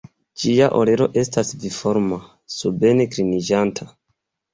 Ĝia orelo estas V-forma, suben-kliniĝanta.